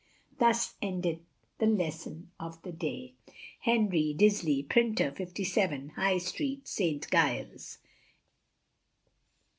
Thus endeth the Lesson of the day. HENRY DISLEY, Printer, 57, High Street, St. Giles.